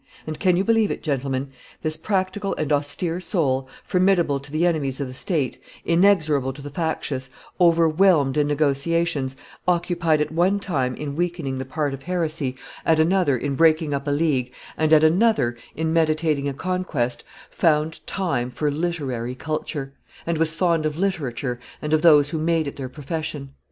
... And, can you believe it, gentlemen? this practical and austere soul, formidable to the enemies of the state, inexorable to the factious, overwhelmed in negotiations, occupied at one time in weakening the party of heresy, at another in breaking up a league, and at another in meditating a conquest, found time for literary culture, and was fond of literature and of those who made it their profession!"